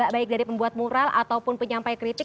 baik dari pembuat moral ataupun penyampai kritik